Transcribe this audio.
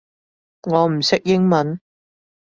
我唔識英文